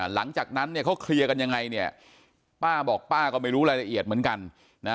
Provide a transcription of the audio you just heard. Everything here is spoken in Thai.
หลังจากนั้นเนี่ยเขาเคลียร์กันยังไงเนี่ยป้าบอกป้าก็ไม่รู้รายละเอียดเหมือนกันนะ